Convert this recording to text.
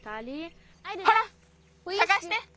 ほらさがして！